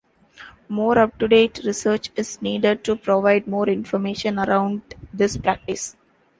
More up-to-date research is needed to provide more information around this practice.